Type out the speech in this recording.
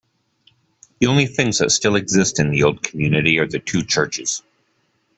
The only things that still exist in the old community are the two churches.